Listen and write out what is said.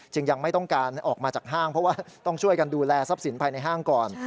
ยังไม่ต้องการออกมาจากห้างเพราะว่าต้องช่วยกันดูแลทรัพย์สินภายในห้างก่อน